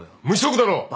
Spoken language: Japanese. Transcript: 無職だろ。